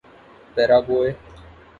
Paraguay